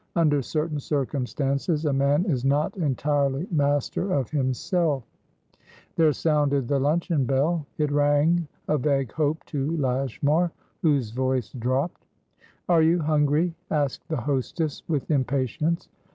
Under certain circumstances, a man is not entirely master of himself" There sounded the luncheon bell. It rang a vague hope to Lashmar, whose voice dropped. "Are you hungry?" asked the hostess, with impatience.